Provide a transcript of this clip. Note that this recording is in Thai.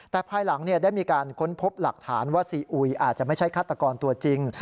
แต่ภายหลังได้มีการค้นพบหลักฐานว่าซีอุยอาจจะไม่ใช่ฆาตกรตัวจริง